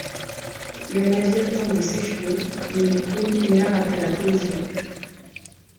Le navire tente de s’échouer mais il coule une heure après la collision.